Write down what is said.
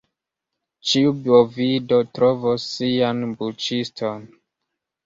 Ĉiu bovido trovos sian buĉiston.